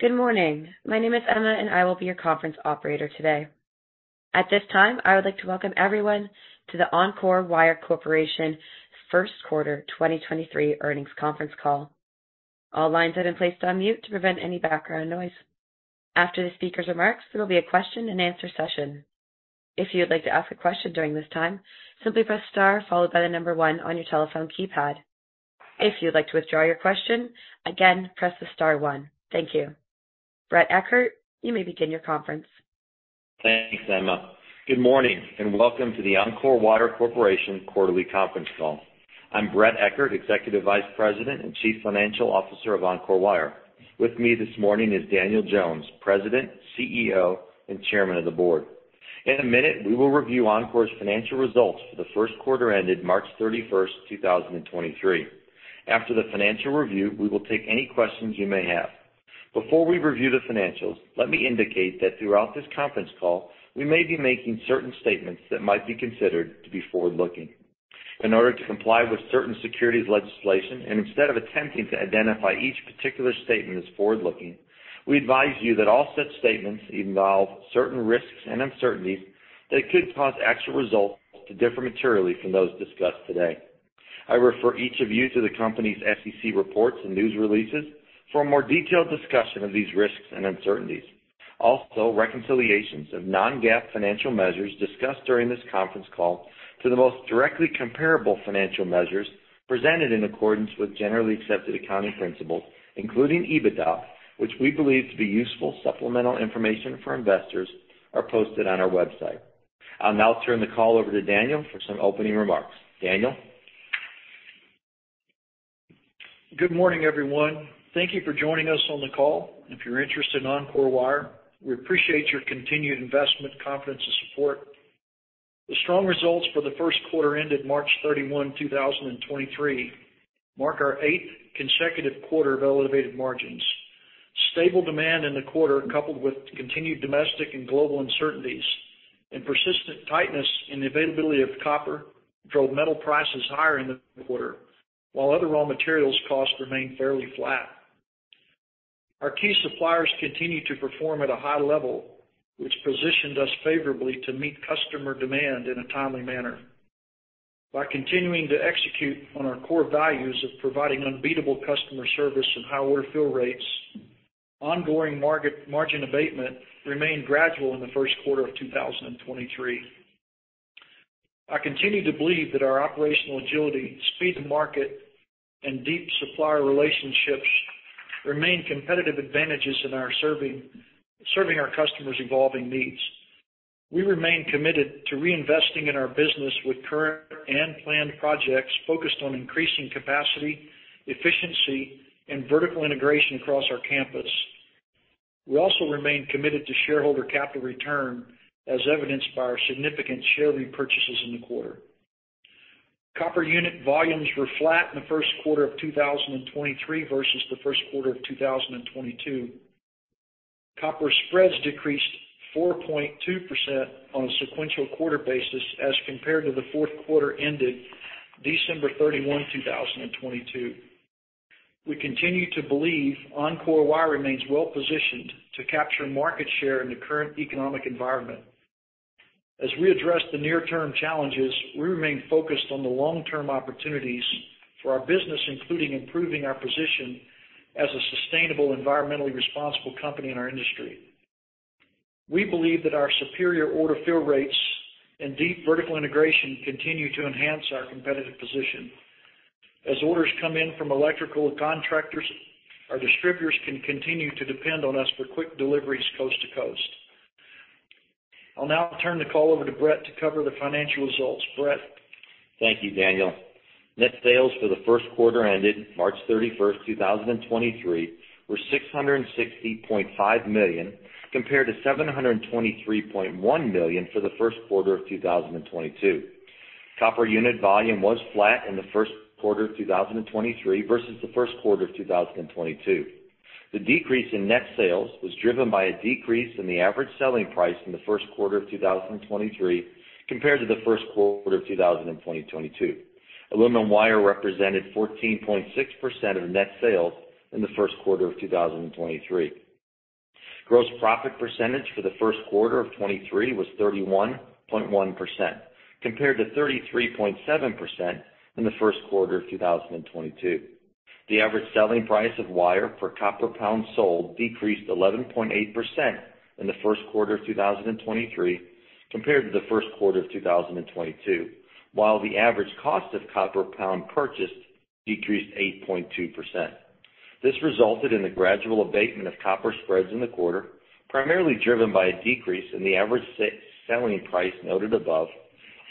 Good morning. My name is Emma, and I will be your conference operator today. At this time, I would like to welcome everyone to the Encore Wire Corporation 1st quarter 2023 earnings conference call. All lines have been placed on mute to prevent any background noise. After the speaker's remarks, there will be a question-and-answer session. If you would like to ask a question during this time, simply press star followed by the number 1 on your telephone keypad. If you'd like to withdraw your question, again, press the star 1. Thank you. Bret Eckert, you may begin your conference. Thanks, Emma. Good morning, and welcome to the Encore Wire Corporation quarterly conference call. I'm Bret Eckert, Executive Vice President and Chief Financial Officer of Encore Wire. With me this morning is Daniel Jones, President, CEO, and Chairman of the Board. In a minute, we will review Encore's financial results for the first quarter ended March 31st, 2023. After the financial review, we will take any questions you may have. Before we review the financials, let me indicate that throughout this conference call, we may be making certain statements that might be considered to be forward-looking. In order to comply with certain securities legislation, and instead of attempting to identify each particular statement as forward-looking, we advise you that all such statements involve certain risks and uncertainties that could cause actual results to differ materially from those discussed today. I refer each of you to the company's SEC reports and news releases for a more detailed discussion of these risks and uncertainties. Also, reconciliations of non-GAAP financial measures discussed during this conference call to the most directly comparable financial measures presented in accordance with generally accepted accounting principles, including EBITDA, which we believe to be useful supplemental information for investors, are posted on our website. I'll now turn the call over to Daniel for some opening remarks. Daniel? Good morning, everyone. Thank you for joining us on the call. If you're interested in Encore Wire, we appreciate your continued investment, confidence, and support. The strong results for the first quarter ended March 31, 2023 mark our eighth consecutive quarter of elevated margins. Stable demand in the quarter, coupled with continued domestic and global uncertainties and persistent tightness in the availability of copper, drove metal prices higher in the quarter, while other raw materials costs remained fairly flat. Our key suppliers continue to perform at a high level, which positioned us favorably to meet customer demand in a timely manner. By continuing to execute on our core values of providing unbeatable customer service and high order fill rates, ongoing margin abatement remained gradual in the first quarter of 2023. I continue to believe that our operational agility, speed to market, and deep supplier relationships remain competitive advantages in our serving our customers' evolving needs. We remain committed to reinvesting in our business with current and planned projects focused on increasing capacity, efficiency, and vertical integration across our campus. We also remain committed to shareholder capital return, as evidenced by our significant share repurchases in the quarter. Copper unit volumes were flat in the first quarter of 2023 versus the first quarter of 2022. Copper spreads decreased 4.2% on a sequential quarter basis as compared to the fourth quarter ended December 31, 2022. We continue to believe Encore Wire remains well-positioned to capture market share in the current economic environment. As we address the near-term challenges, we remain focused on the long-term opportunities for our business, including improving our position as a sustainable, environmentally responsible company in our industry. We believe that our superior order fill rates and deep vertical integration continue to enhance our competitive position. As orders come in from electrical contractors, our distributors can continue to depend on us for quick deliveries coast to coast. I'll now turn the call over to Bret to cover the financial results. Bret? Thank you, Daniel. Net sales for the first quarter ended March 31st, 2023 were $660.5 million, compared to $723.1 million for the first quarter of 2022. Copper unit volume was flat in the first quarter of 2023 versus the first quarter of 2022. The decrease in net sales was driven by a decrease in the average selling price in the first quarter of 2023 compared to the first quarter of 2022. Aluminum wire represented 14.6% of net sales in the first quarter of 2023. Gross profit percentage for the first quarter of 2023 was 31.1%, compared to 33.7% in the first quarter of 2022. The average selling price of wire per copper pound sold decreased 11.8% in the first quarter of 2023 compared to the first quarter of 2022, while the average cost of copper pound purchased decreased 8.2%. This resulted in the gradual abatement of copper spreads in the quarter, primarily driven by a decrease in the average selling price noted above,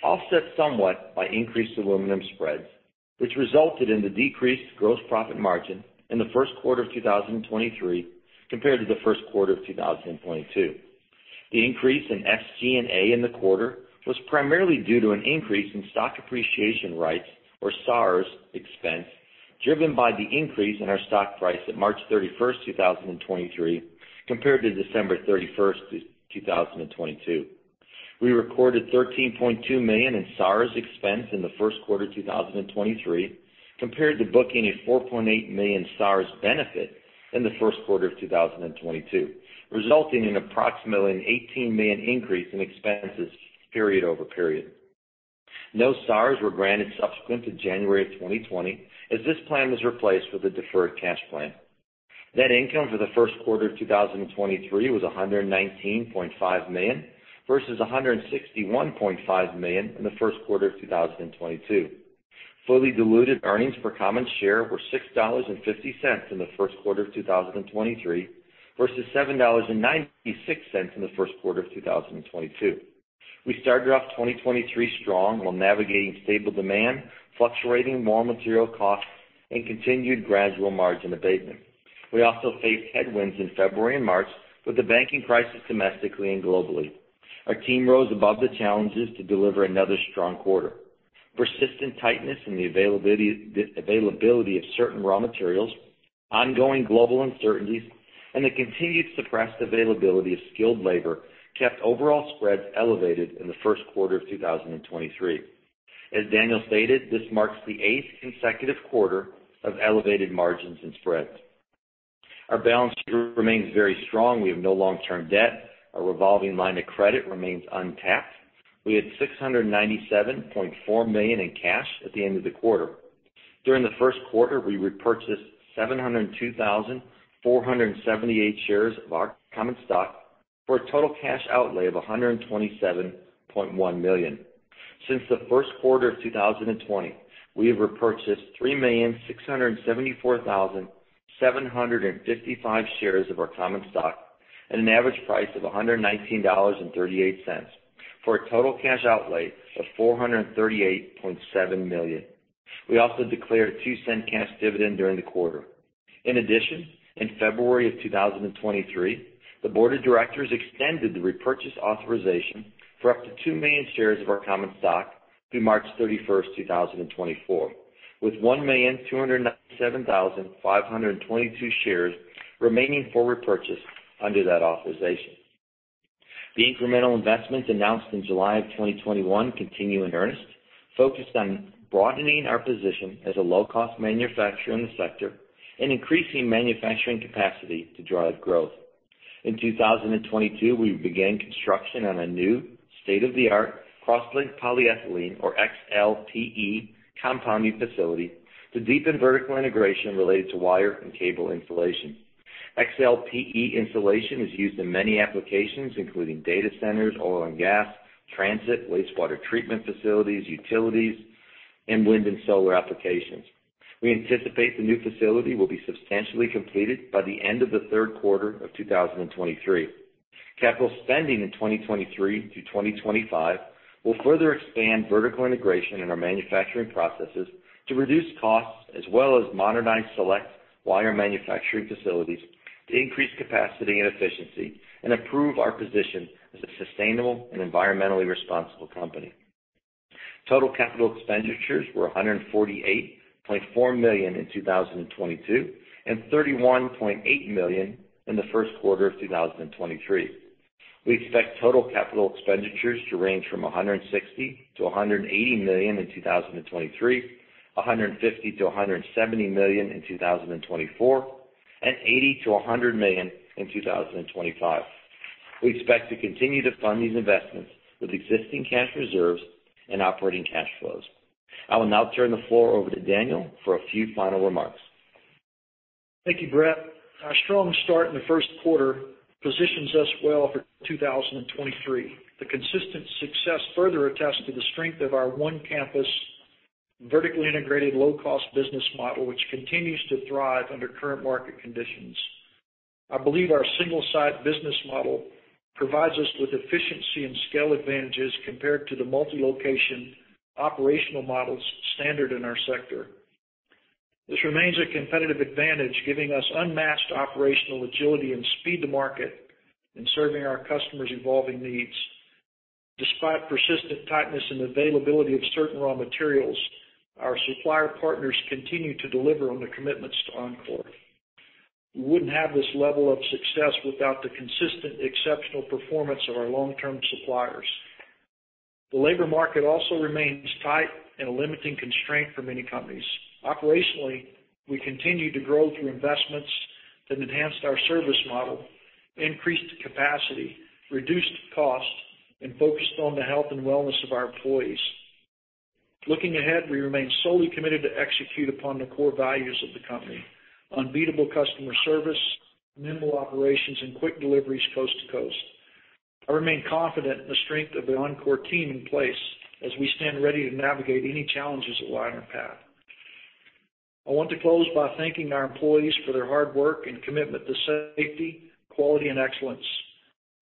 offset somewhat by increased aluminum spreads, which resulted in the decreased gross profit margin in the first quarter of 2023 compared to the first quarter of 2022. The increase in SG&A in the quarter was primarily due to an increase in Stock Appreciation Rights or SARs expense, driven by the increase in our stock price at March 31, 2023 compared to December 31, 2022. We recorded $13.2 million in SARs expense in the first quarter 2023, compared to booking a $4.8 million SARs benefit in the first quarter of 2022, resulting in approximately an $18 million increase in expenses period-over-period. No SARs were granted subsequent to January of 2020, as this plan was replaced with a deferred cash plan. Net income for the first quarter of 2023 was $119.5 million versus $161.5 million in the first quarter of 2022. Fully diluted earnings per common share were $6.50 in the first quarter of 2023 versus $7.96 in the first quarter of 2022. We started off 2023 strong while navigating stable demand, fluctuating raw material costs, and continued gradual margin abatement. We also faced headwinds in February and March with the banking crisis domestically and globally. Our team rose above the challenges to deliver another strong quarter. Persistent tightness in the availability of certain raw materials, ongoing global uncertainties, and the continued suppressed availability of skilled labor kept overall spreads elevated in the first quarter of 2023. As Daniel stated, this marks the 8th consecutive quarter of elevated margins and spreads. Our balance sheet remains very strong. We have no long-term debt. Our revolving line of credit remains untapped. We had $697.4 million in cash at the end of the quarter. During the first quarter, we repurchased 702,478 shares of our common stock for a total cash outlay of $127.1 million. Since the first quarter of 2020, we have repurchased 3,674,755 shares of our common stock at an average price of $119.38, for a total cash outlay of $438.7 million. We also declared $0.02 cash dividend during the quarter. In addition, in February of 2023, the board of directors extended the repurchase authorization for up to 2 million shares of our common stock through March 31st, 2024, with 1,297,522 shares remaining for repurchase under that authorization. The incremental investments announced in July of 2021 continue in earnest, focused on broadening our position as a low-cost manufacturer in the sector and increasing manufacturing capacity to drive growth. In 2022, we began construction on a new state-of-the-art cross-linked polyethylene, or XLPE compounding facility, to deepen vertical integration related to wire and cable insulation. XLPE insulation is used in many applications, including data centers, oil and gas, transit, wastewater treatment facilities, utilities, and wind and solar applications. We anticipate the new facility will be substantially completed by the end of the third quarter of 2023. Capital spending in 2023 through 2025 will further expand vertical integration in our manufacturing processes to reduce costs, as well as modernize select wire manufacturing facilities to increase capacity and efficiency and improve our position as a sustainable and environmentally responsible company. Total capital expenditures were $148.4 million in 2022 and $31.8 million in the first quarter of 2023. We expect total capital expenditures to range from $160 million-$180 million in 2023, $150 million-$170 million in 2024, and $80 million-$100 million in 2025. We expect to continue to fund these investments with existing cash reserves and operating cash flows. I will now turn the floor over to Daniel for a few final remarks. Thank you, Bret. Our strong start in the first quarter positions us well for 2023. The consistent success further attests to the strength of our one campus, vertically integrated, low cost business model, which continues to thrive under current market conditions. I believe our single site business model provides us with efficiency and scale advantages compared to the multi-location operational models standard in our sector. This remains a competitive advantage, giving us unmatched operational agility and speed to market in serving our customers' evolving needs. Despite persistent tightness in availability of certain raw materials, our supplier partners continue to deliver on their commitments to Encore. We wouldn't have this level of success without the consistent exceptional performance of our long-term suppliers. The labor market also remains tight and a limiting constraint for many companies. Operationally, we continue to grow through investments that enhanced our service model, increased capacity, reduced cost, and focused on the health and wellness of our employees. Looking ahead, we remain solely committed to execute upon the core values of the company: unbeatable customer service, nimble operations, and quick deliveries coast to coast. I remain confident in the strength of the Encore team in place as we stand ready to navigate any challenges that lie in our path. I want to close by thanking our employees for their hard work and commitment to safety, quality, and excellence.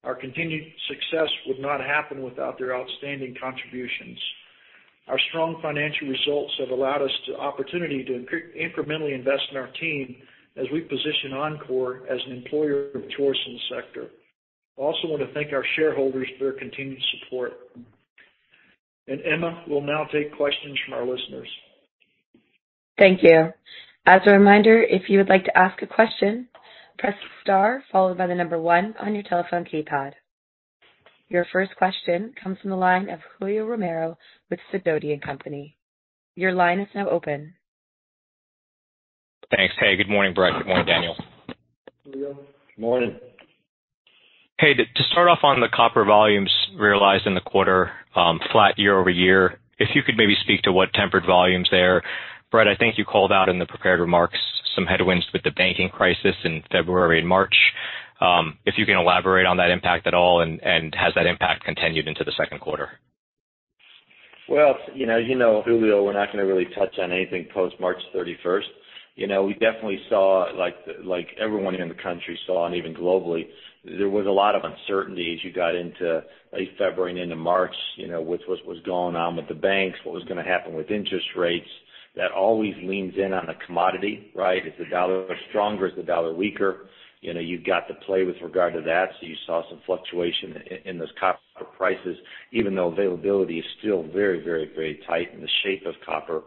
Our continued success would not happen without their outstanding contributions. Our strong financial results have allowed us the opportunity to incrementally invest in our team as we position Encore as an employer of choice in the sector. I also want to thank our shareholders for their continued support. Emma will now take questions from our listeners. Thank you. As a reminder, if you would like to ask a question, press star followed by 1 on your telephone keypad. Your first question comes from the line of Julio Romero with Sidoti & Company. Your line is now open. Thanks. Hey, good morning, Bret. Good morning, Daniel. Julio. Good morning. To start off on the copper volumes realized in the quarter, flat year-over-year, if you could maybe speak to what tempered volumes there? Bret, I think you called out in the prepared remarks some headwinds with the banking crisis in February and March. If you can elaborate on that impact at all, and has that impact continued into the second quarter? You know, Julio, we're not gonna really touch on anything post-March 31st. You know, we definitely saw, like everyone in the country saw, and even globally, there was a lot of uncertainty as you got into late February and into March, you know, with what was going on with the banks, what was gonna happen with interest rates. That always leans in on a commodity, right? Is the dollar stronger? Is the dollar weaker? You know, you've got to play with regard to that, so you saw some fluctuation in those copper prices, even though availability is still very, very, very tight, and the shape of copper,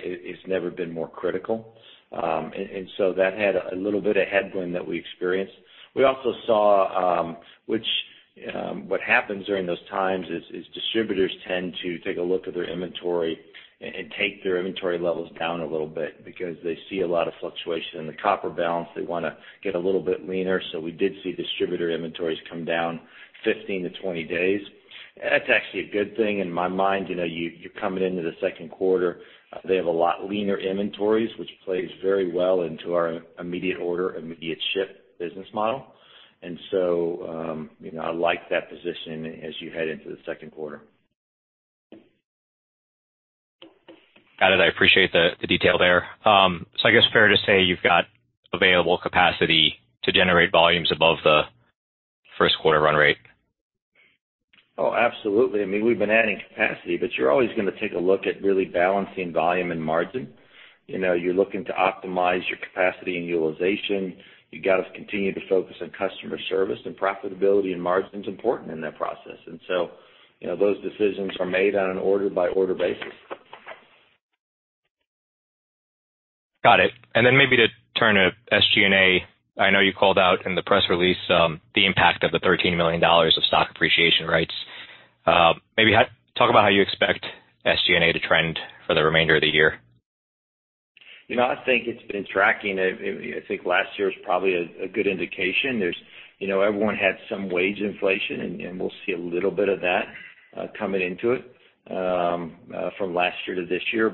it's never been more critical. That had a little bit of headwind that we experienced. We also saw, which, what happens during those times is distributors tend to take a look at their inventory and take their inventory levels down a little bit because they see a lot of fluctuation in the copper balance. They wanna get a little bit leaner. We did see distributor inventories come down 15 to 20 days. That's actually a good thing in my mind. You know, you're coming into the second quarter. They have a lot leaner inventories, which plays very well into our immediate order, immediate ship business model. You know, I like that position as you head into the second quarter. Got it. I appreciate the detail there. I guess fair to say you've got available capacity to generate volumes above the first quarter run rate? Oh, absolutely. I mean, we've been adding capacity, but you're always gonna take a look at really balancing volume and margin. You know, you're looking to optimize your capacity and utilization. You got to continue to focus on customer service and profitability, and margin's important in that process. You know, those decisions are made on an order-by-order basis. Got it. Then maybe to turn to SG&A. I know you called out in the press release, the impact of the $13 million of Stock Appreciation Rights. Maybe talk about how you expect SG&A to trend for the remainder of the year. You know, I think it's been tracking. I think last year is probably a good indication. There's, you know, everyone had some wage inflation, and we'll see a little bit of that coming into it from last year to this year.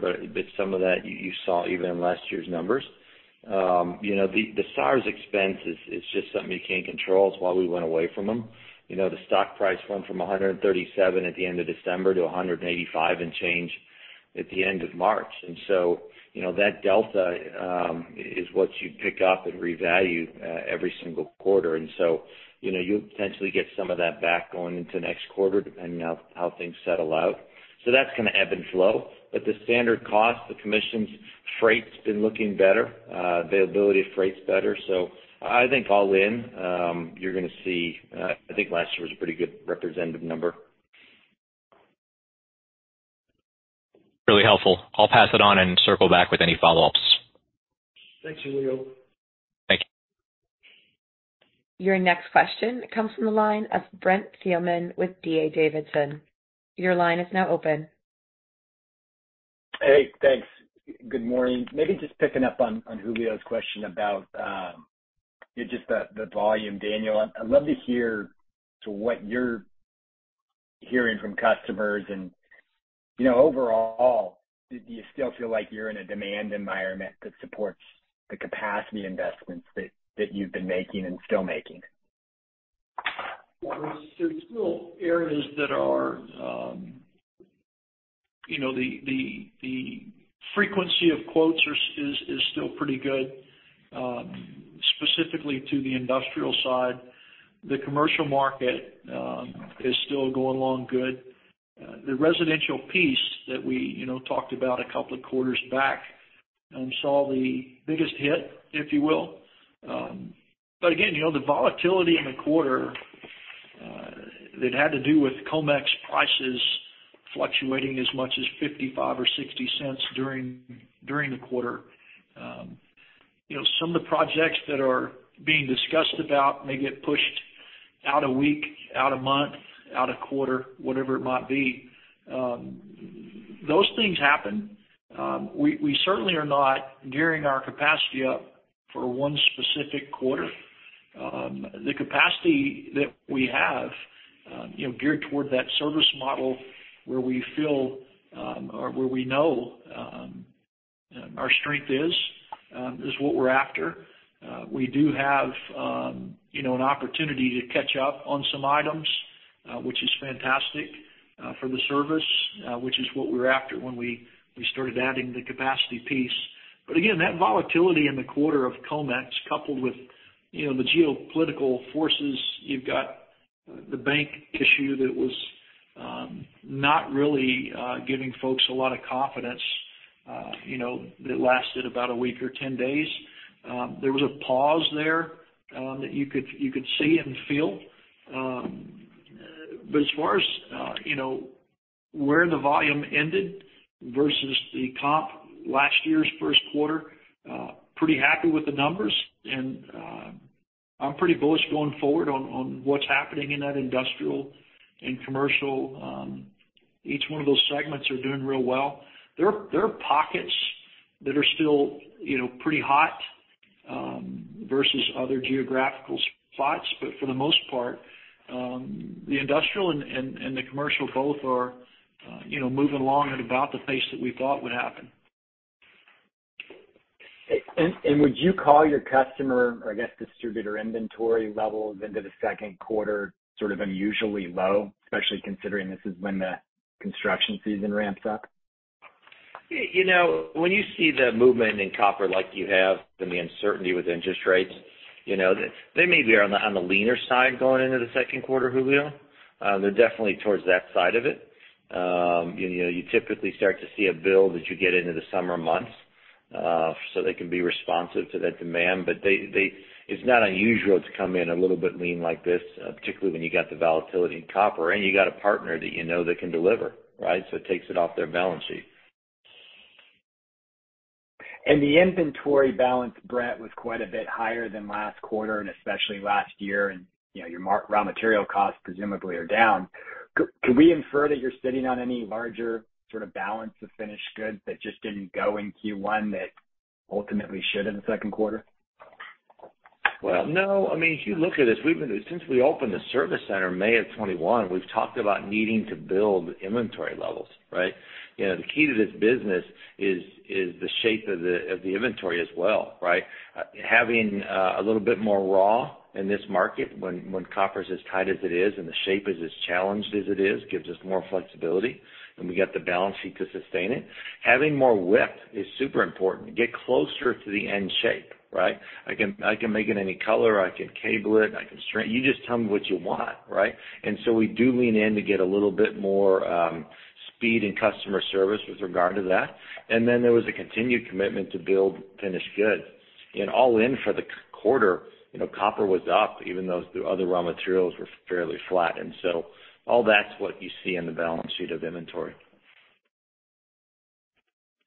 Some of that you saw even in last year's numbers. You know, the SARs expense is just something you can't control. It's why we went away from them. You know, the stock price went from $137 at the end of December to $185 and change at the end of March. That delta is what you pick up and revalue every single quarter. You'll potentially get some of that back going into next quarter, depending on how things settle out. That's gonna ebb and flow. The standard cost, the commissions, freight's been looking better. Availability of freight's better. I think all in, you're gonna see, I think last year was a pretty good representative number. Really helpful. I'll pass it on and circle back with any follow-ups. Thanks, Julio. Thank you. Your next question comes from the line of Brent Thielman with D.A. Davidson. Your line is now open. Hey, thanks. Good morning. Maybe just picking up on Julio's question about the volume. Daniel, I'd love to hear to what you're hearing from customers and, you know, overall, do you still feel like you're in a demand environment that supports the capacity investments that you've been making and still making? Well, there's still areas that are, you know, the frequency of quotes is still pretty good, specifically to the industrial side. The commercial market is still going along good. The residential piece that we, you know, talked about a couple of quarters back, saw the biggest hit, if you will. Again, you know, the volatility in the quarter that had to do with COMEX prices fluctuating as much as $0.55 or $0.60 during the quarter. You know, some of the projects that are being discussed about may get pushed out a week, out a month, out a quarter, whatever it might be. Those things happen. We certainly are not gearing our capacity up for one specific quarter. The capacity that we have, you know, geared toward that service model where we feel, or where we know, our strength is what we're after. We do have, you know, an opportunity to catch up on some items, which is fantastic, for the service, which is what we were after when we started adding the capacity piece. Again, that volatility in the quarter of COMEX, coupled with, you know, the geopolitical forces, you've got the bank issue that was not really giving folks a lot of confidence. You know, it lasted about a week or 10 days. There was a pause there that you could, you could see and feel. As far as, you know, where the volume ended versus the comp, last year's first quarter, pretty happy with the numbers, and I'm pretty bullish going forward on what's happening in that industrial and commercial. Each one of those segments are doing real well. There are pockets that are still, you know, pretty hot versus other geographical spots, but for the most part, the industrial and the commercial both are, you know, moving along at about the pace that we thought would happen. Would you call your customer or, I guess, distributor inventory levels into the second quarter, sort of unusually low, especially considering this is when the construction season ramps up? You know, when you see the movement in copper like you have and the uncertainty with interest rates, you know, they may be on the leaner side going into the second quarter, Julio. They're definitely towards that side of it. You know, you typically start to see a build as you get into the summer months, so they can be responsive to that demand. It's not unusual to come in a little bit lean like this, particularly when you got the volatility in copper and you got a partner that you know that can deliver, right? It takes it off their balance sheet. The inventory balance, Bret, was quite a bit higher than last quarter and especially last year. You know, your raw material costs presumably are down. Could we infer that you're sitting on any larger sort of balance of finished goods that just didn't go in Q1 that ultimately should in the second quarter? Well, no. I mean, if you look at this, we've been... Since we opened the service center May of 2021, we've talked about needing to build inventory levels, right? You know, the key to this business is the shape of the inventory as well, right? Having a little bit more raw in this market when copper's as tight as it is and the shape is as challenged as it is, gives us more flexibility, and we got the balance sheet to sustain it. Having more width is super important. Get closer to the end shape, right? I can make it any color, I can cable it, I can string... You just tell me what you want, right? We do lean in to get a little bit more speed in customer service with regard to that. There was a continued commitment to build finished goods. All in for the quarter, you know, copper was up even though the other raw materials were fairly flat. All that's what you see in the balance sheet of inventory.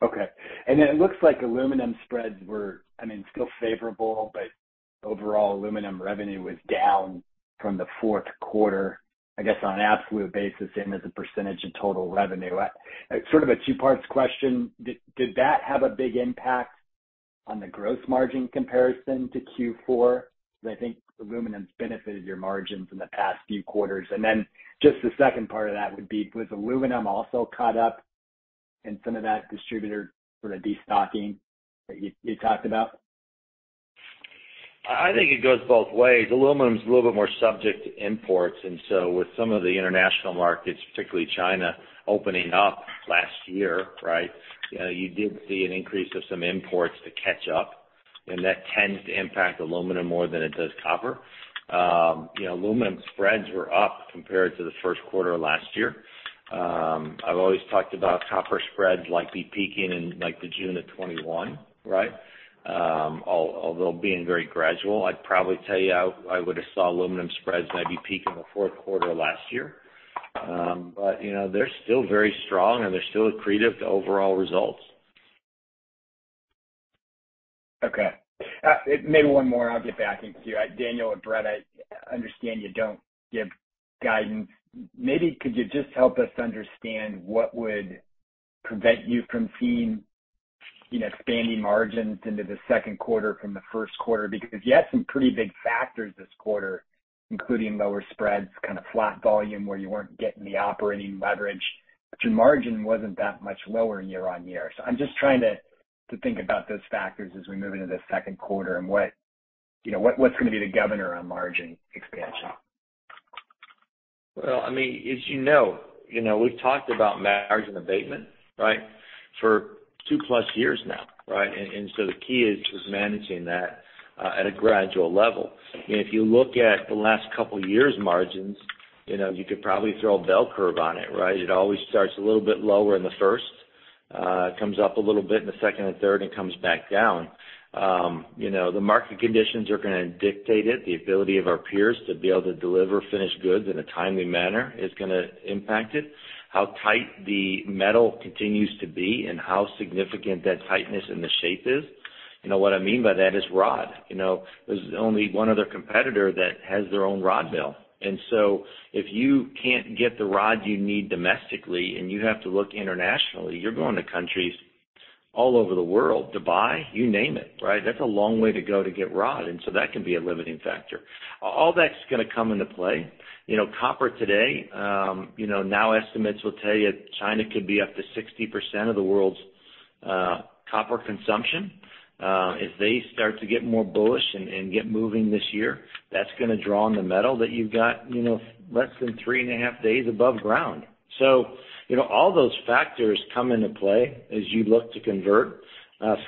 Okay. It looks like aluminum spreads were, I mean, still favorable, but overall aluminum revenue was down from the fourth quarter, I guess, on an absolute basis, same as a percentage of total revenue. Sort of a two-parts question. Did that have a big impact on the gross margin comparison to Q4? Because I think aluminum's benefited your margins in the past few quarters. Just the second part of that would be, was aluminum also caught up in some of that distributor sort of destocking that you talked about? I think it goes both ways. Aluminum's a little bit more subject to imports, with some of the international markets, particularly China, opening up last year, right? You know, you did see an increase of some imports to catch up, and that tends to impact aluminum more than it does copper. You know, aluminum spreads were up compared to the first quarter of last year. I've always talked about copper spreads likely peaking in like the June of 2021, right? Although being very gradual. I'd probably tell you I would've saw aluminum spreads maybe peak in the fourth quarter of last year. You know, they're still very strong and they're still accretive to overall results. Okay. Maybe one more. I'll get back into you. Daniel and Bret, I understand you don't give guidance. Maybe could you just help us understand what would prevent you from seeing, you know, expanding margins into the second quarter from the first quarter? Because you had some pretty big factors this quarter, including lower spreads, kind of flat volume where you weren't getting the operating leverage. Your margin wasn't that much lower year-over-year. I'm just trying to think about those factors as we move into the second quarter and what, you know, what's gonna be the governor on margin expansion. Well, I mean, as you know, you know, we've talked about margin abatement, right? For 2-plus years now, right? The key is managing that at a gradual level. If you look at the last couple years' margins, you know, you could probably throw a bell curve on it, right? It always starts a little bit lower in the first, comes up a little bit in the second and third, comes back down. You know, the market conditions are gonna dictate it. The ability of our peers to be able to deliver finished goods in a timely manner is gonna impact it. How tight the metal continues to be and how significant that tightness in the shape is. You know what I mean by that is rod. You know, there's only one other competitor that has their own rod mill. If you can't get the rod you need domestically and you have to look internationally, you're going to countries all over the world. Dubai, you name it, right? That's a long way to go to get rod, and so that can be a limiting factor. All that's gonna come into play. You know, copper today, you know, now estimates will tell you China could be up to 60% of the world's copper consumption. If they start to get more bullish and get moving this year, that's gonna draw on the metal that you've got, you know, less than three and a half days above ground. You know, all those factors come into play as you look to convert.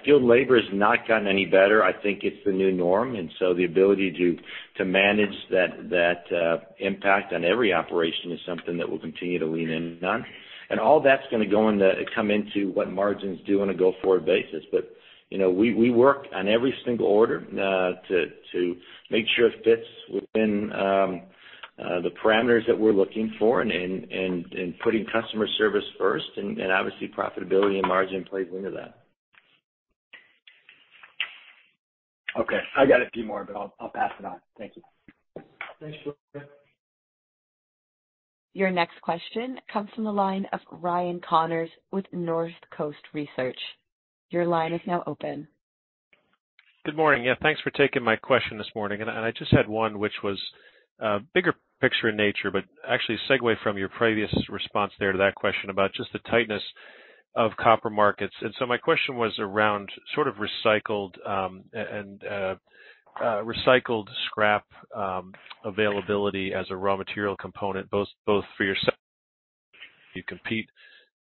Skilled labor's not gotten any better. I think it's the new norm, the ability to manage that impact on every operation is something that we're gonna continue to lean in on. All that's gonna come into what margins do on a go-forward basis. You know, we work on every single order to make sure it fits within the parameters that we're looking for and putting customer service first and obviously profitability and margin plays into that. Okay. I got a few more, but I'll pass it on. Thank you. Thanks, Brent. Your next question comes from the line of Ryan Connors with NorthCoast Research. Your line is now open. Good morning. Yeah, thanks for taking my question this morning. I just had one which was bigger picture in nature, but actually segue from your previous response there to that question about just the tightness of copper markets. My question was around sort of recycled and recycled scrap availability as a raw material component, both for yourself you compete with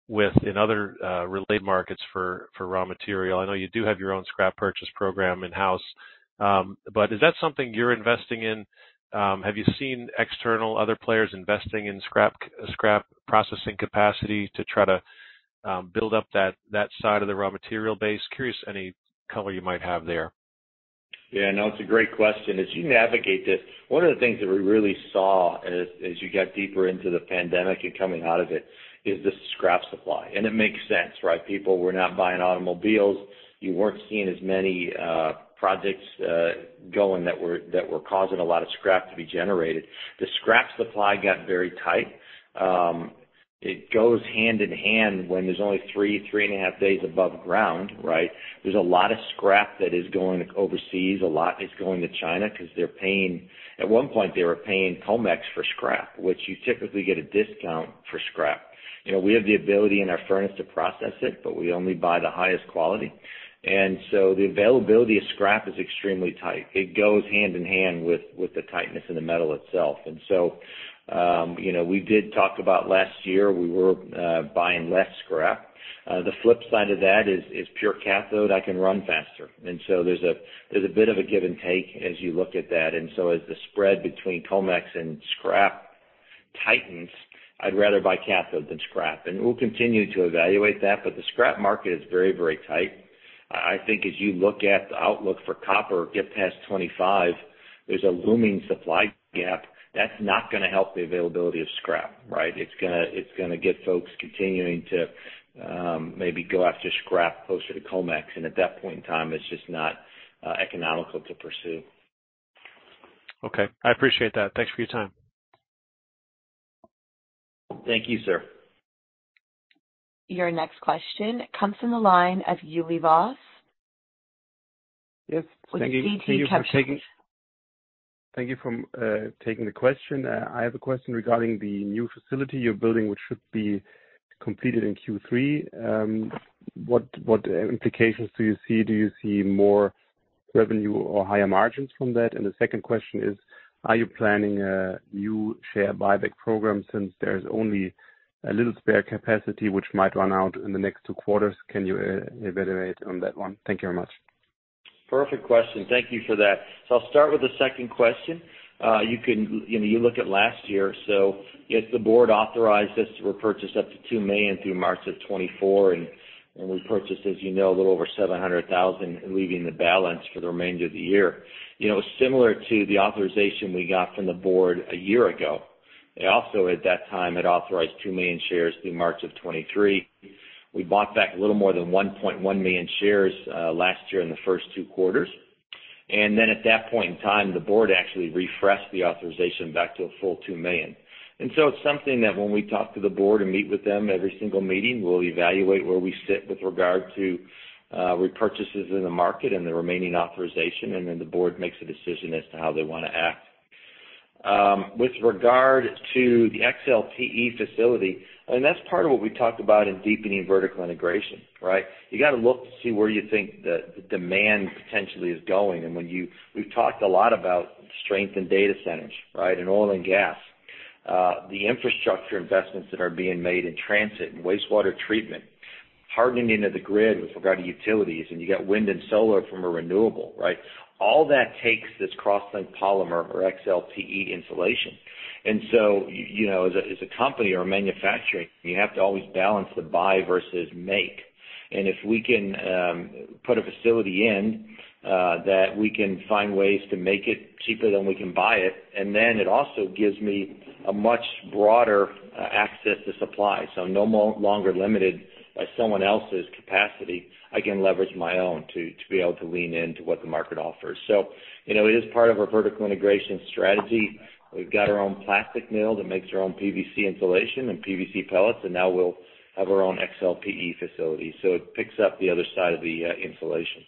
in other related markets for raw material. I know you do have your own scrap purchase program in-house, but is that something you're investing in? Have you seen external other players investing in scrap processing capacity to try to build up that side of the raw material base? Curious any color you might have there. Yeah, no, it's a great question. As you navigate this, one of the things that we really saw as you got deeper into the pandemic and coming out of it is the scrap supply. It makes sense, right? People were not buying automobiles. You weren't seeing as many projects going that were causing a lot of scrap to be generated. The scrap supply got very tight. It goes hand in hand when there's only three and a half days above ground, right? There's a lot of scrap that is going overseas. A lot is going to China because at one point, they were paying COMEX for scrap, which you typically get a discount for scrap. You know, we have the ability in our furnace to process it, but we only buy the highest quality. The availability of scrap is extremely tight. It goes hand in hand with the tightness in the metal itself. You know, we did talk about last year, we were buying less scrap. The flip side of that is pure cathode. I can run faster. There's a bit of a give and take as you look at that. As the spread between COMEX and scrap tightens, I'd rather buy cathode than scrap. We'll continue to evaluate that, but the scrap market is very tight. I think as you look at the outlook for copper get past 25, there's a looming supply gap that's not gonna help the availability of scrap, right? It's gonna get folks continuing to maybe go after scrap closer to COMEX, and at that point in time, it's just not economical to pursue. Okay. I appreciate that. Thanks for your time. Thank you, sir. Your next question comes from the line of Uli Voss. Yes. With the DB- Thank you for. -Capit. Thank you for taking the question. I have a question regarding the new facility you're building, which should be completed in Q3. What implications do you see? Do you see more revenue or higher margins from that? The second question is, are you planning a new share buyback program since there's only a little spare capacity which might run out in the next two quarters? Can you evaluate on that one? Thank you very much. Perfect question. Thank you for that. I'll start with the second question. You know, you look at last year. Yes, the board authorized us to repurchase up to 2 million through March of 2024, and we purchased, as you know, a little over 700,000, leaving the balance for the remainder of the year. You know, similar to the authorization we got from the board a year ago. They also at that time had authorized 2 million shares through March of 2023. We bought back a little more than 1.1 million shares last year in the first two quarters. At that point in time, the board actually refreshed the authorization back to a full 2 million. It's something that when we talk to the board and meet with them every single meeting, we'll evaluate where we sit with regard to repurchases in the market and the remaining authorization, and then the board makes a decision as to how they wanna act. With regard to the XLPE facility, I mean, that's part of what we talked about in deepening vertical integration, right? You gotta look to see where you think the demand potentially is going. We've talked a lot about strength in data centers, right, in oil and gas. The infrastructure investments that are being made in transit and wastewater treatment, hardening of the grid with regard to utilities, and you got wind and solar from a renewable, right? All that takes this cross-linked polyethylene or XLPE insulation. you know, as a company or a manufacturer, you have to always balance the buy versus make. If we can put a facility in that we can find ways to make it cheaper than we can buy it, and then it also gives me a much broader access to supply. No longer limited by someone else's capacity, I can leverage my own to be able to lean into what the market offers. you know, it is part of our vertical integration strategy. We've got our own plastic mill that makes our own PVC insulation and PVC pellets, and now we'll have our own XLPE facility. It picks up the other side of the insulation.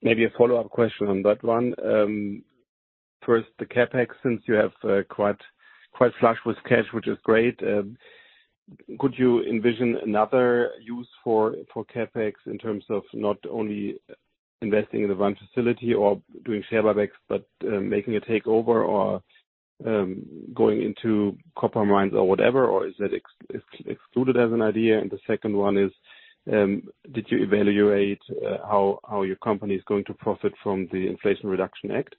Maybe a follow-up question on that one. First, the CapEx, since you have quite flush with cash, which is great, could you envision another use for CapEx in terms of not only investing in the one facility or doing share buybacks, but making a takeover or going into copper mines or whatever, or is that excluded as an idea? The second one is, did you evaluate how your company is going to profit from the Inflation Reduction Act?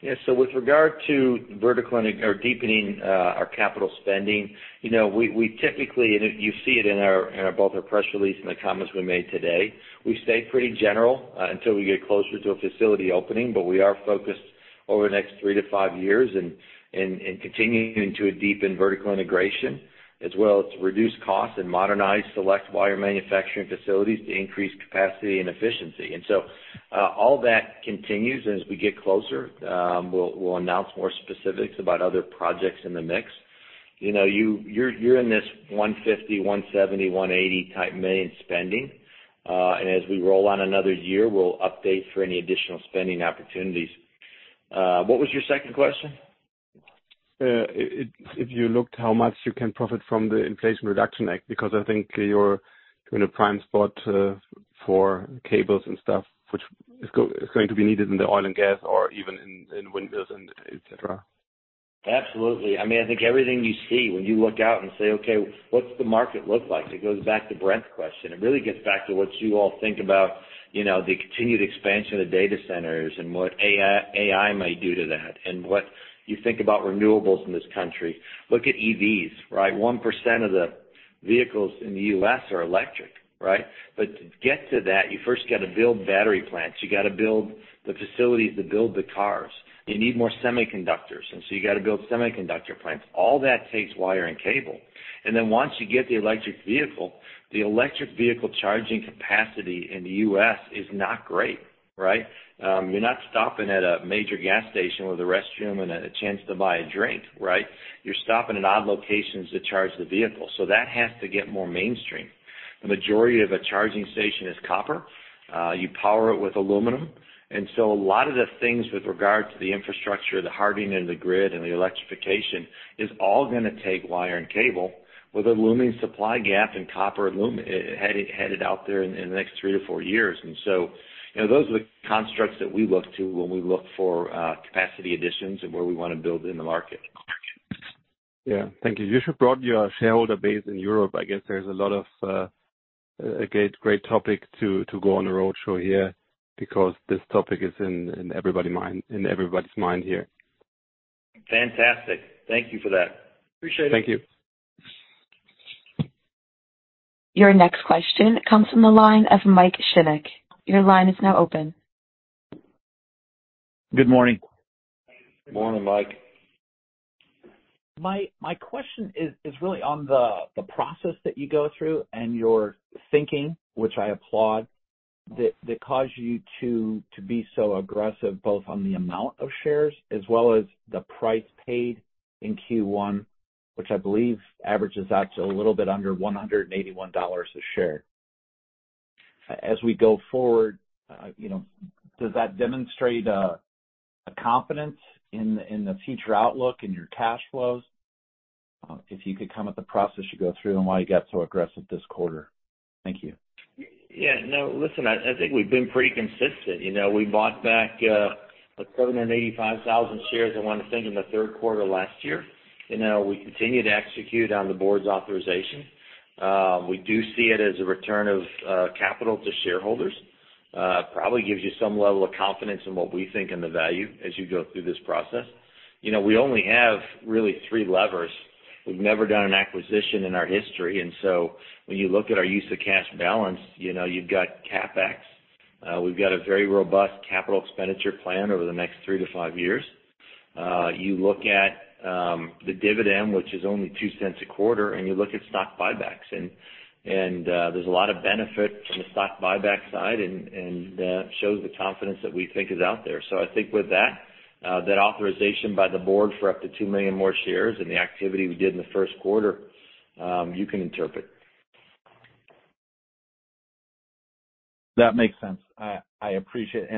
Yeah. With regard to vertical integration or deepening, our capital spending, you know, we typically, and you see it in our, in our both our press release and the comments we made today, we stay pretty general until we get closer to a facility opening. We are focused over the next 3-5 years in continuing to deepen vertical integration as well as reduce costs and modernize select wire manufacturing facilities to increase capacity and efficiency. All that continues. As we get closer, we'll announce more specifics about other projects in the mix. You know, you're in this $150 million, $170 million, $180 million type spending. As we roll on another year, we'll update for any additional spending opportunities. What was your second question? If you looked how much you can profit from the Inflation Reduction Act, because I think you're in a prime spot, for cables and stuff, which is going to be needed in the oil and gas or even in windmills and et cetera. Absolutely. I mean, I think everything you see when you look out and say, okay, what's the market look like? It goes back to Brent's question. It really gets back to what you all think about, you know, the continued expansion of data centers and what AI might do to that, and what you think about renewables in this country. Look at EVs, right? 1% of the vehicles in the U.S. are electric, right? To get to that, you first got to build battery plants. You got to build the facilities to build the cars. You need more semiconductors, you got to build semiconductor plants. All that takes wire and cable. Once you get the electric vehicle, the electric vehicle charging capacity in the U.S. is not great, right? You're not stopping at a major gas station with a restroom and a chance to buy a drink, right? You're stopping at odd locations to charge the vehicle. That has to get more mainstream. The majority of a charging station is copper. You power it with aluminum. A lot of the things with regard to the infrastructure, the hardening of the grid, and the electrification is all gonna take wire and cable with a looming supply gap in copper alum headed out there in the next 3 to 4 years. You know, those are the constructs that we look to when we look for capacity additions and where we wanna build in the market. Yeah. Thank you. You should broad your shareholder base in Europe. I guess there's a lot of a great topic to go on a roadshow here because this topic is in everybody's mind here. Fantastic. Thank you for that. Appreciate it. Thank you. Your next question comes from the line of Mike Shlisky. Your line is now open. Good morning. Morning, Mike. My question is really on the process that you go through and your thinking, which I applaud, that caused you to be so aggressive, both on the amount of shares as well as the price paid in Q1, which I believe averages out to a little bit under $181 a share. As we go forward, you know, does that demonstrate a confidence in the future outlook in your cash flows? If you could comment on the process you go through and why you got so aggressive this quarter. Thank you. Yeah, no, listen, I think we've been pretty consistent. You know, we bought back, like 785,000 shares, I wanna think, in the third quarter last year. You know, we continue to execute on the board's authorization. We do see it as a return of capital to shareholders. Probably gives you some level of confidence in what we think in the value as you go through this process. You know, we only have really three levers. We've never done an acquisition in our history, and so when you look at our use of cash balance, you know you've got CapEx. We've got a very robust capital expenditure plan over the next 3 to 5 years. You look at the dividend, which is only $0.02 a quarter, and you look at stock buybacks. There's a lot of benefit from the stock buyback side, and that shows the confidence that we think is out there. I think with that authorization by the board for up to $2 million more shares and the activity we did in the first quarter, you can interpret. That makes sense. I appreciate.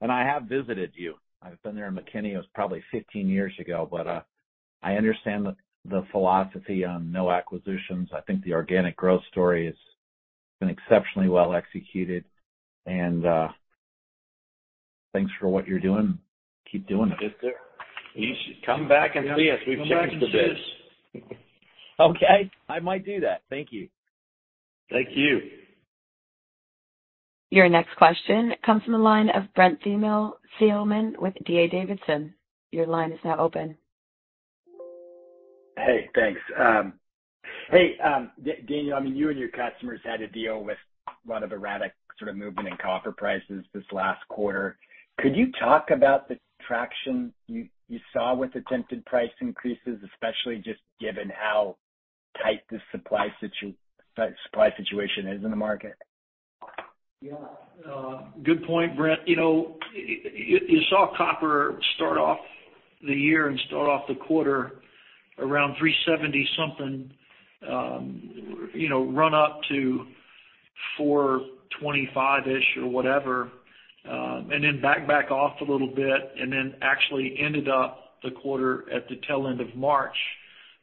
I have visited you. I've been there in McKinney. It was probably 15 years ago. I understand the philosophy on no acquisitions. I think the organic growth story has been exceptionally well executed. Thanks for what you're doing. Keep doing it. You should come back and see us. We've changed a bit. Okay, I might do that. Thank you. Thank you. Your next question comes from the line of Brent Thielman with D.A. Davidson. Your line is now open. Hey, thanks. Hey, Daniel Jones, I mean, you and your customers had to deal with a lot of erratic sort of movement in copper prices this last quarter. Could you talk about the traction you saw with attempted price increases, especially just given how tight the supply situation is in the market? Yeah. Good point, Brent Thielman. You know, you saw copper start off the year and start off the quarter around $3.70 something, you know, run up to $4.25-ish or whatever, and then back off a little bit and then actually ended up the quarter at the tail end of March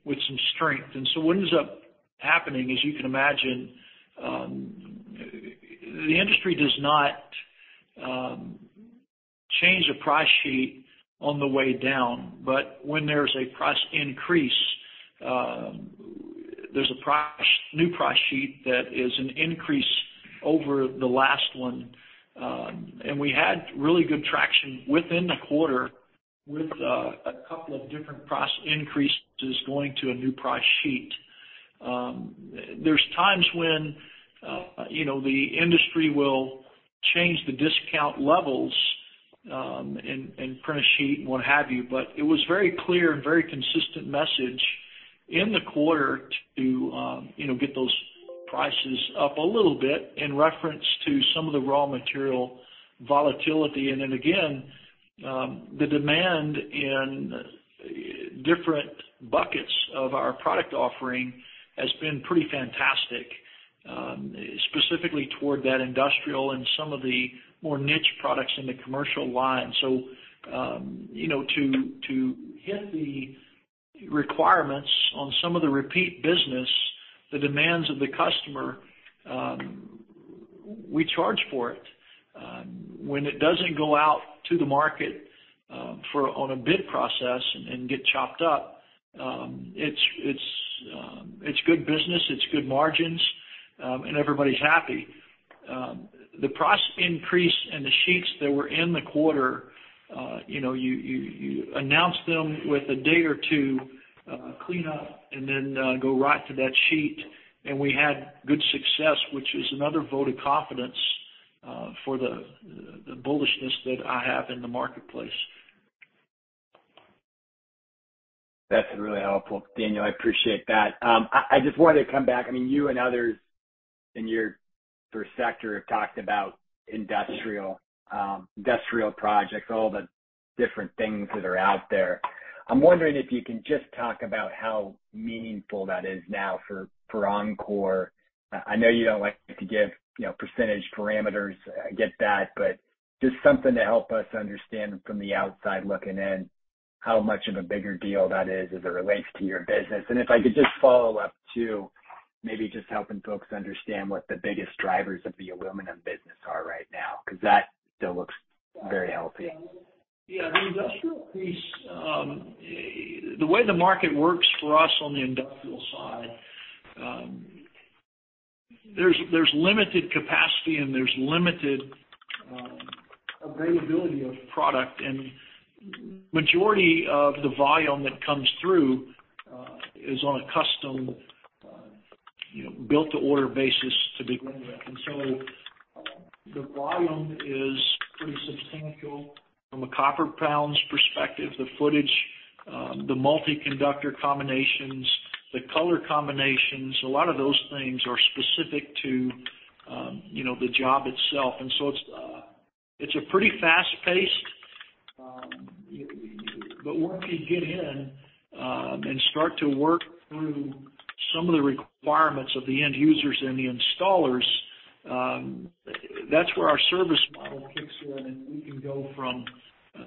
with some strength. What ends up happening, as you can imagine, the industry does not change a price sheet on the way down, but when there's a price increase, there's a new price sheet that is an increase over the last one. We had really good traction within the quarter with a couple of different price increases going to a new price sheet. There's times when, you know, the industry will change the discount levels, and print a sheet and what have you. It was very clear and very consistent message in the quarter to, you know, get those prices up a little bit in reference to some of the raw material volatility. Then again, the demand in different buckets of our product offering has been pretty fantastic, specifically toward that industrial and some of the more niche products in the commercial line. So, you know, to hit the requirements on some of the repeat business, the demands of the customer, we charge for it. When it doesn't go out to the market, for on a bid process and get chopped up, it's good business, it's good margins, and everybody's happy. The price increase and the sheets that were in the quarter, you know, you announce them with a day or two, clean up and then, go right to that sheet. We had good success, which is another vote of confidence, for the bullishness that I have in the marketplace. That's really helpful, Daniel. I appreciate that. I just wanted to come back. I mean, you and others in your sector have talked about industrial projects, all the different things that are out there. I'm wondering if you can just talk about how meaningful that is now for Encore. I know you don't like to give, you know, percentage parameters. I get that, but just something to help us understand from the outside looking in, how much of a bigger deal that is as it relates to your business. If I could just follow up too, maybe just helping folks understand what the biggest drivers of the aluminum business are right now, 'cause that still looks very healthy. Yeah. The industrial piece, the way the market works for us on the industrial side, there's limited capacity, and there's limited availability of product. Majority of the volume that comes through, is on a custom, you know, built-to-order basis to begin with. The volume is pretty substantial from a copper pounds perspective, the footage, the multi-conductor combinations, the color combinations, a lot of those things are specific to, you know, the job itself. It's a pretty fast-paced, but once you get in, and start to work through some of the requirements of the end users and the installers, that's where our service model kicks in, and we can go from,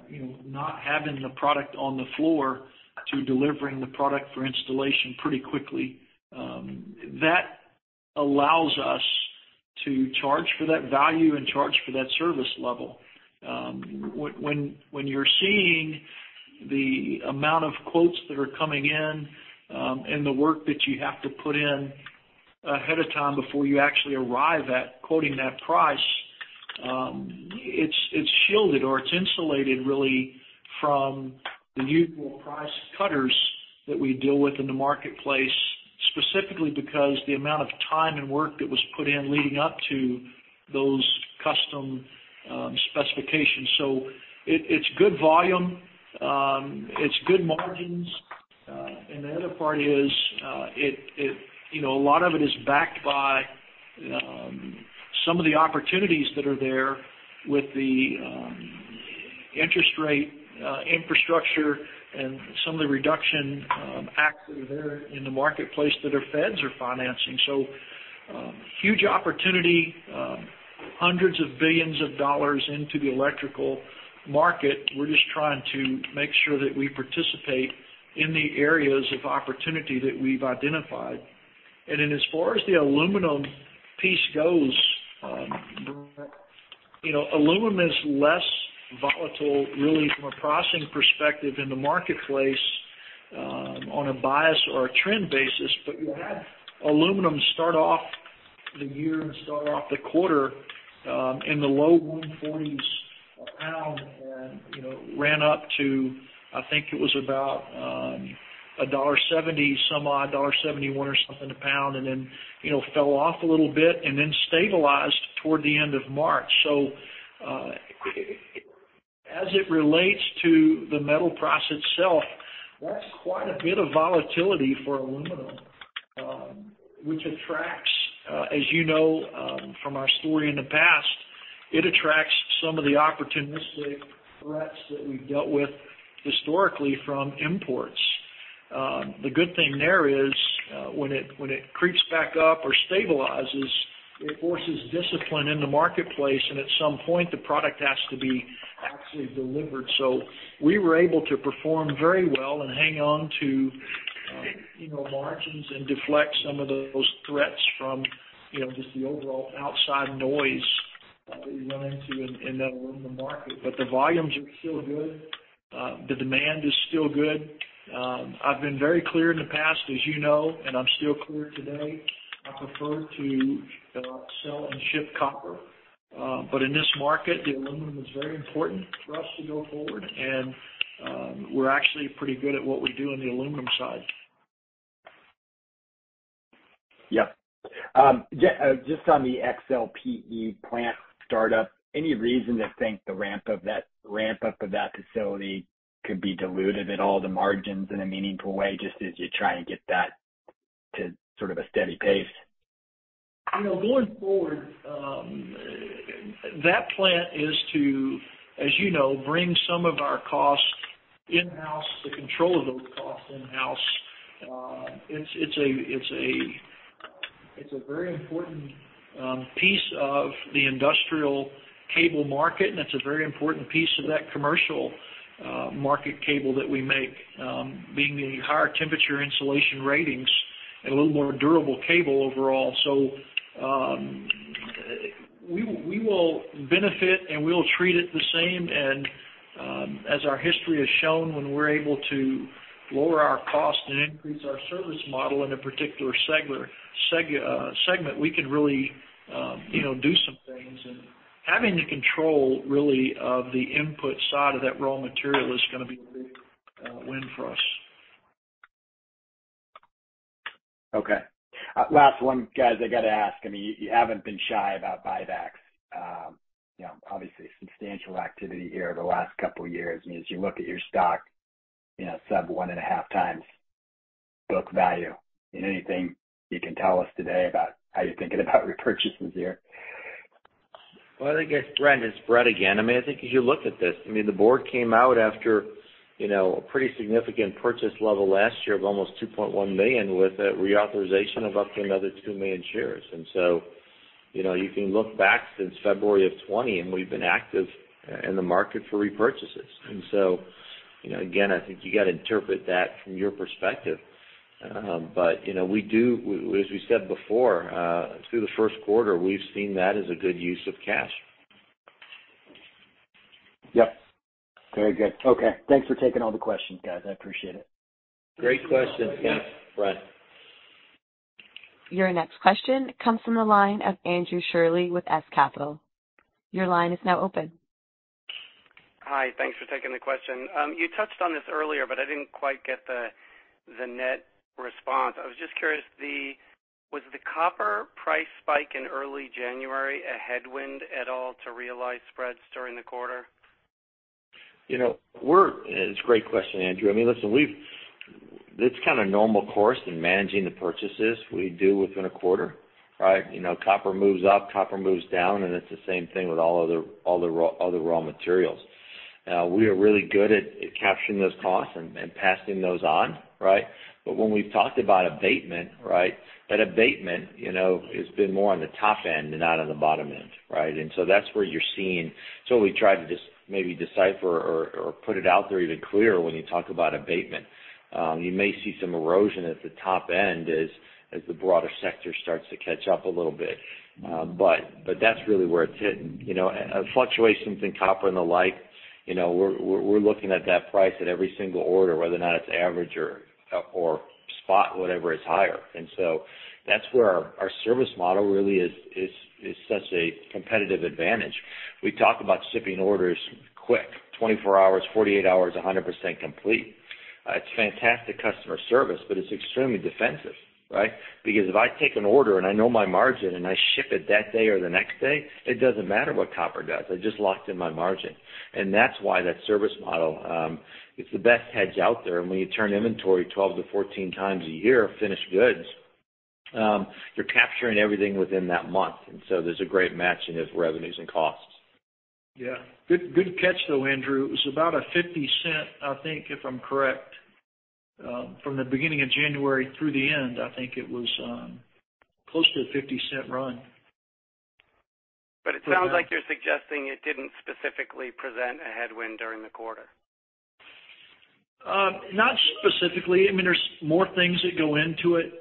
you know, not having the product on the floor to delivering the product for installation pretty quickly. That allows us to charge for that value and charge for that service level. When you're seeing the amount of quotes that are coming in, and the work that you have to put in ahead of time before you actually arrive at quoting that price, it's shielded or it's insulated really from the usual price cutters that we deal with in the marketplace, specifically because the amount of time and work that was put in leading up to those custom specifications. It's good volume. It's good margins. The other part is, it, you know, a lot of it is backed by some of the opportunities that are there with the interest rate, infrastructure and some of the reduction acts that are there in the marketplace that our feds are financing. Huge opportunity, hundreds of billions of dollars into the electrical market. We're just trying to make sure that we participate in the areas of opportunity that we've identified. As far as the aluminum piece goes, you know, aluminum is less volatile really from a pricing perspective in the marketplace, on a bias or a trend basis. You had aluminum start off the year and start off the quarter in the low 140s a pound and, you know, ran up to, I think it was about $1.70 some odd, $1.71 or something a pound, and then, you know, fell off a little bit and then stabilized toward the end of March. As it relates to the metal price itself, that's quite a bit of volatility for aluminum, which attracts, as you know, from our story in the past, it attracts some of the opportunistic threats that we've dealt with historically from imports. The good thing there is, when it creeps back up or stabilizes, it forces discipline in the marketplace, and at some point, the product has to be actually delivered. We were able to perform very well and hang on to, you know, margins and deflect some of those threats from, you know, just the overall outside noise that you run into in that aluminum market. The volumes are still good. The demand is still good. I've been very clear in the past, as you know, and I'm still clear today, I prefer to sell and ship copper. In this market, the aluminum is very important for us to go forward, and we're actually pretty good at what we do on the aluminum side. Just on the XLPE plant startup, any reason to think the ramp up of that facility could be dilutive at all the margins in a meaningful way, just as you try and get that to sort of a steady pace? You know, going forward, that plant is to, as you know, bring some of our costs in-house, the control of those costs in-house. It's a very important piece of the industrial cable market, and it's a very important piece of that commercial market cable that we make, being the higher temperature insulation ratings and a little more durable cable overall. So, we will benefit, and we'll treat it the same. And, as our history has shown, when we're able to lower our cost and increase our service model in a particular segment, we can really, you know, do some things. And having the control really of the input side of that raw material is gonna be a big win for us. Okay. Last one, guys, I gotta ask. I mean, you haven't been shy about buybacks. You know, obviously substantial activity here the last couple years. As you look at your stock, you know, sub 1.5 times book value, anything you can tell us today about how you're thinking about repurchases here? Well, I guess, Brent, it's Bret again. I mean, I think as you look at this, I mean, the board came out after, you know, a pretty significant purchase level last year of almost $2.1 million, with a reauthorization of up to another 2 million shares. You know, you can look back since February of 2020, and we've been active in the market for repurchases. You know, again, I think you gotta interpret that from your perspective. You know, we do, as we said before, through the first quarter, we've seen that as a good use of cash. Yep. Very good. Okay. Thanks for taking all the questions, guys. I appreciate it. Great question. Yeah. Thanks, Brent. Your next question comes from the line of Andrew Shirley with S Capital. Your line is now open. Hi. Thanks for taking the question. You touched on this earlier, but I didn't quite get the net response. I was just curious, was the copper price spike in early January a headwind at all to realized spreads during the quarter? You know, It's a great question, Andrew. I mean, listen, It's kind of normal course in managing the purchases we do within a quarter, right? You know, copper moves up, copper moves down, and it's the same thing with all other raw materials. We are really good at capturing those costs and passing those on, right? When we've talked about abatement, right, that abatement, you know, has been more on the top end and not on the bottom end, right? That's where you're seeing. We try to just maybe decipher or put it out there even clearer when you talk about abatement. You may see some erosion at the top end as the broader sector starts to catch up a little bit. That's really where it's hitting. You know, fluctuations in copper and the like, you know, we're looking at that price at every single order, whether or not it's average or spot, whatever is higher. That's where our service model really is such a competitive advantage. We talk about shipping orders quick, 24 hours, 48 hours, 100% complete. It's fantastic customer service, but it's extremely defensive, right? Because if I take an order and I know my margin and I ship it that day or the next day, it doesn't matter what copper does. I just locked in my margin. That's why that service model, it's the best hedge out there. When you turn inventory 12 to 14 times a year of finished goods, you're capturing everything within that month, and so there's a great match in those revenues and costs. Good, good catch, though, Andrew. It was about a $0.50, I think, if I'm correct, from the beginning of January through the end, I think it was, close to a $0.50 run. It sounds like you're suggesting it didn't specifically present a headwind during the quarter. Not specifically. I mean, there's more things that go into it.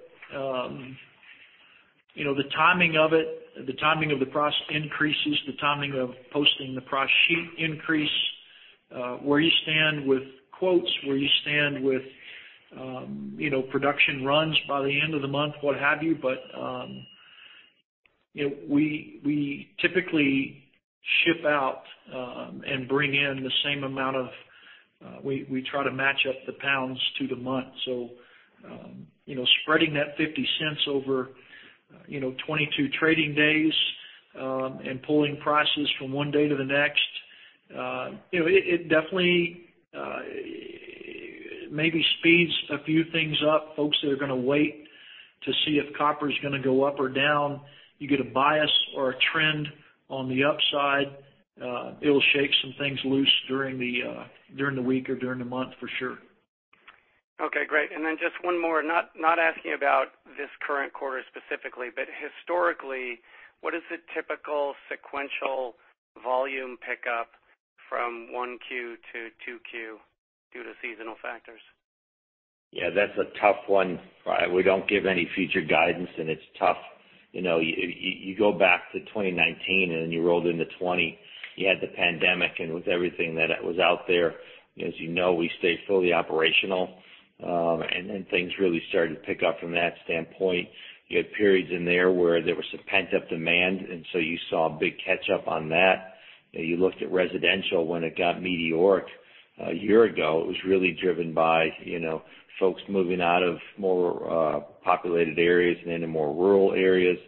You know, the timing of it, the timing of the price increases, the timing of posting the price sheet increase, where you stand with quotes, where you stand with, you know, production runs by the end of the month, what have you. You know, we typically ship out and bring in the same amount of... We try to match up the pounds to the month. You know, spreading that $0.50 over, you know, 22 trading days, and pulling prices from one day to the next, you know, it definitely maybe speeds a few things up. Folks that are gonna wait to see if copper's gonna go up or down, you get a bias or a trend on the upside, it'll shake some things loose during the during the week or during the month for sure. Okay, great. Then just one more. Not asking about this current quarter specifically, but historically, what is the typical sequential volume pickup from 1Q to 2Q due to seasonal factors? Yeah, that's a tough one. We don't give any future guidance. It's tough. You know, you go back to 2019 and then you rolled into 2020, you had the pandemic and with everything that was out there. As you know, we stayed fully operational. Things really started to pick up from that standpoint. You had periods in there where there was some pent-up demand. You saw a big catch up on that. You looked at residential when it got meteoric a year ago, it was really driven by, you know, folks moving out of more, populated areas and into more rural areas.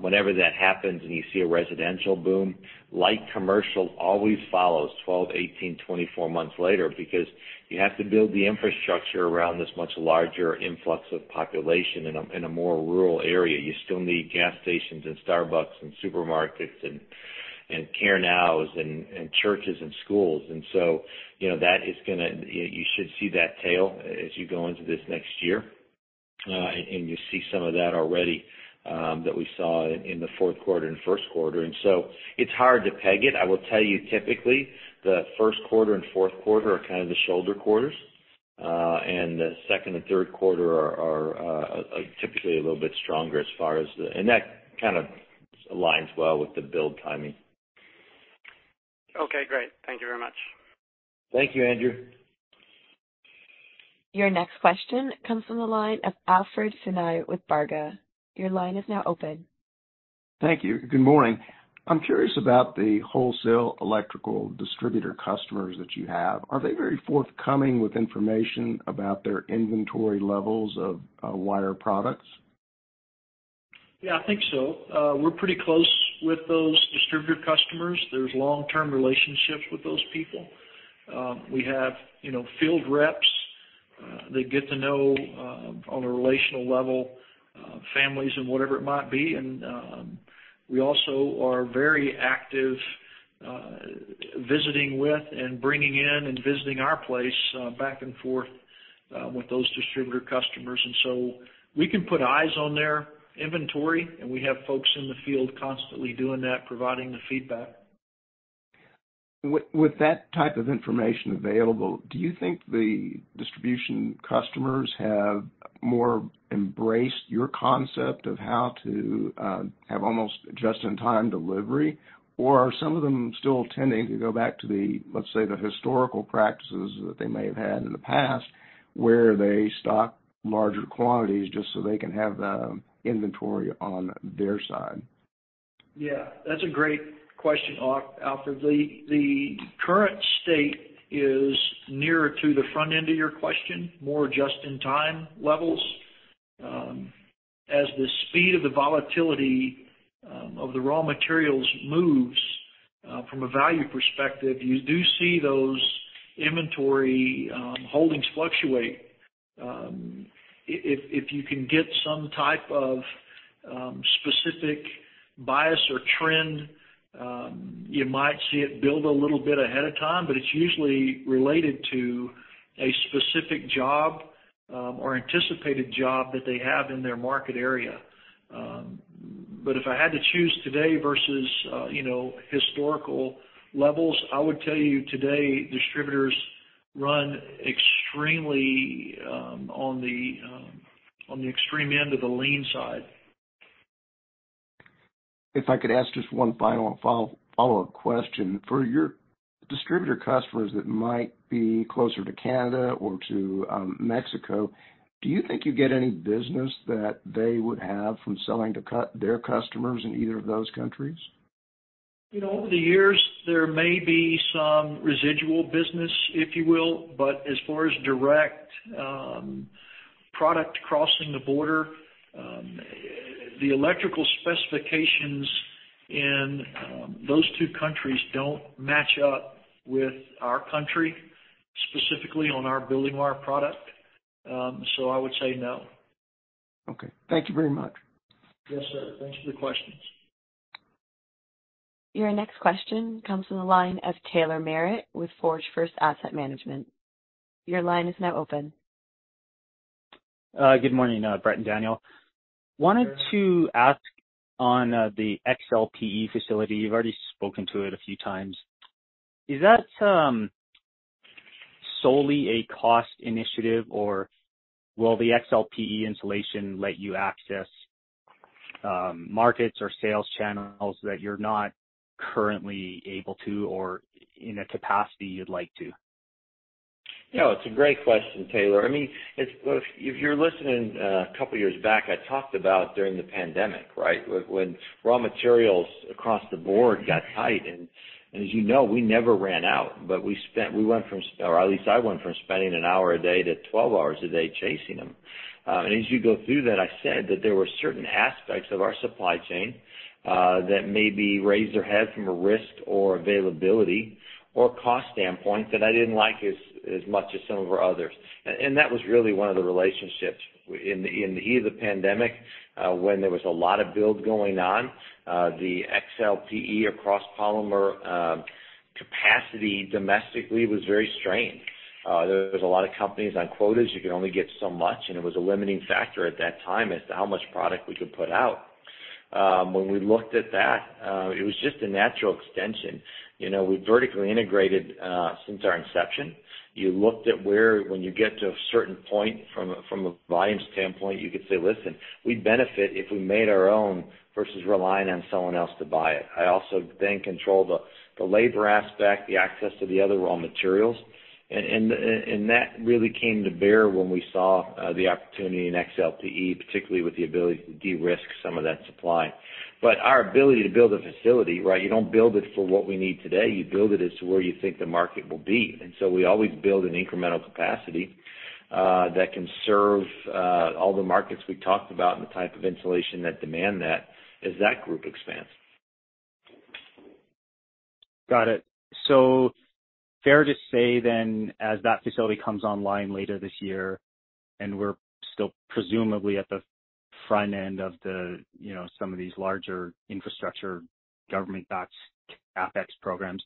Whenever that happens and you see a residential boom, light commercial always follows 12, 18, 24 months later because you have to build the infrastructure around this much larger influx of population in a more rural area. You still need gas stations and Starbucks and supermarkets and care homes and churches and schools. You know, that is gonna. You should see that tail as you go into this next year. You see some of that already that we saw in the fourth quarter and first quarter. It's hard to peg it. I will tell you typically, the first quarter and fourth quarter are kind of the shoulder quarters, and the second and third quarter are typically a little bit stronger as far as the. That kind of aligns well with the build timing. Okay, great. Thank you very much. Thank you, Andrew. Your next question comes from the line of Alfred Funai with Barga Your line is now open. Thank you. Good morning. I'm curious about the wholesale electrical distributor customers that you have. Are they very forthcoming with information about their inventory levels of wire products? Yeah, I think so. We're pretty close with those distributor customers. There's long-term relationships with those people. We have, you know, field reps that get to know on a relational level, families and whatever it might be. We also are very active visiting with and bringing in and visiting our place back and forth with those distributor customers. We can put eyes on their inventory, and we have folks in the field constantly doing that, providing the feedback. With that type of information available, do you think the distribution customers have more embraced your concept of how to have almost just-in-time delivery? Are some of them still tending to go back to the, let's say, the historical practices that they may have had in the past, where they stock larger quantities just so they can have the inventory on their side? Yeah. That's a great question, Alfred. The current state is nearer to the front end of your question, more just in time levels. As the speed of the volatility of the raw materials moves from a value perspective, you do see those inventory holdings fluctuate. If you can get some type of specific bias or trend, you might see it build a little bit ahead of time, but it's usually related to a specific job or anticipated job that they have in their market area. If I had to choose today versus, you know, historical levels, I would tell you today distributors run extremely on the extreme end of the lean side. If I could ask just one final follow-up question. For your distributor customers that might be closer to Canada or to, Mexico, do you think you get any business that they would have from selling to their customers in either of those countries? You know, over the years there may be some residual business, if you will, but as far as direct, product crossing the border, the electrical specifications in those two countries don't match up with our country, specifically on our building wire product. I would say no. Okay. Thank you very much. Yes, sir. Thanks for the questions. Your next question comes from the line of Taylor Merritt with Forge First Asset Management. Your line is now open. Good morning. Bret and Daniel. Good morning. Wanted to ask on the XLPE facility. You've already spoken to it a few times. Is that solely a cost initiative, or will the XLPE insulation let you access markets or sales channels that you're not currently able to or in a capacity you'd like to? It's a great question, Taylor. I mean, if you're listening, a couple of years back, I talked about during the pandemic, right? When raw materials across the board got tight, and as you know, we never ran out, but we went from, or at least I went from spending 1 hour a day to 12 hours a day chasing them. As you go through that, I said that there were certain aspects of our supply chain that maybe raised their head from a risk or availability or cost standpoint that I didn't like as much as some of our others. That was really one of the relationships. In the heat of the pandemic, when there was a lot of build going on, the XLPE or cross-polymer capacity domestically was very strained. There was a lot of companies on quotas. You could only get so much, and it was a limiting factor at that time as to how much product we could put out. When we looked at that, it was just a natural extension. You know, we vertically integrated since our inception. You looked at when you get to a certain point from a volume standpoint, you could say, "Listen, we'd benefit if we made our own versus relying on someone else to buy it." I also then control the labor aspect, the access to the other raw materials. That really came to bear when we saw the opportunity in XLPE, particularly with the ability to de-risk some of that supply. Our ability to build a facility, right? You don't build it for what we need today. You build it as to where you think the market will be. We always build an incremental capacity that can serve all the markets we talked about and the type of insulation that demand that as that group expands. Got it. Fair to say then, as that facility comes online later this year, and we're still presumably at the front end of the, you know, some of these larger infrastructure government DOTs CapEx programs,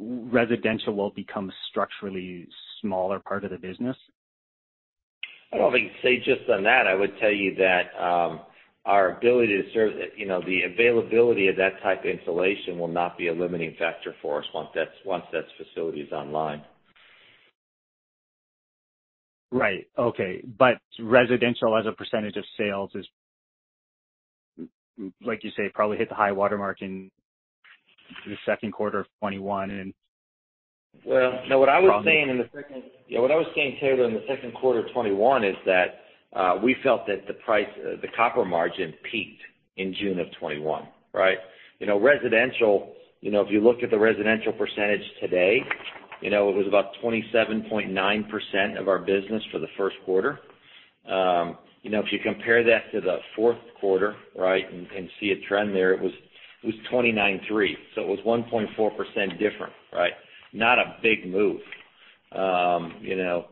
residential will become a structurally smaller part of the business? I don't know if I can say just on that. I would tell you that, our ability to serve, you know, the availability of that type of insulation will not be a limiting factor for us once that facility is online. Right. Okay. Residential as a percentage of sales is, like you say, probably hit the high water mark in the second quarter of 2021. No, what I was saying in the second. Yeah, what I was saying, Taylor, in the second quarter of 2021 is that we felt that the price, the copper margin peaked in June of 2021, right? You know, residential, you know, if you look at the residential percentage today, you know, it was about 27.9% of our business for the first quarter. You know, if you compare that to the fourth quarter, right, and see a trend there, it was 29.3%, so it was 1.4% different, right? Not a big move. You know,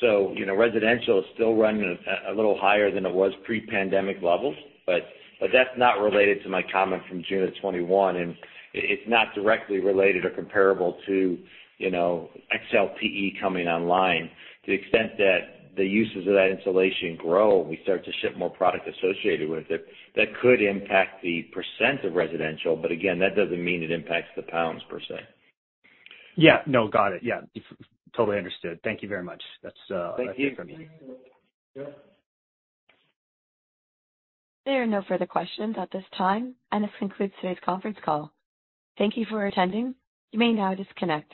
so, you know, residential is still running a little higher than it was pre-pandemic levels, but that's not related to my comment from June of 2021, and it's not directly related or comparable to, you know, XLPE coming online. To the extent that the uses of that insulation grow and we start to ship more product associated with it, that could impact the % of residential, but again, that doesn't mean it impacts the pounds per se. Yeah. No, got it. Yeah. Totally understood. Thank you very much. That's, that's it from me. Thank you. There are no further questions at this time, and this concludes today's conference call. Thank you for attending. You may now disconnect.